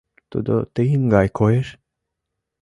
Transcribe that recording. — Тудо тыйын гай коеш?